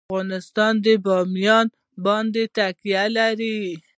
افغانستان په بامیان باندې تکیه لري.